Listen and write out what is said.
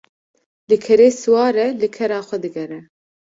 Li kerê siwar e li kera xwe digere